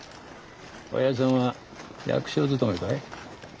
おやじさんは役所勤めかい？